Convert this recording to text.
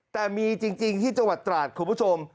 แต่มีจริงที่จังหวัดตราดคุณผู้ชม